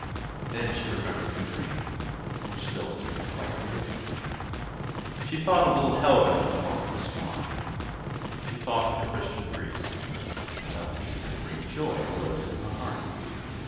Then she remembered her dream, which still seemed quite real to her. She thought of little Helga in the form of a swan. She thought of the Christian priest, and suddenly a great joy arose in her heart.